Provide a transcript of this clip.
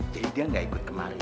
jadi dia tidak ikut kemari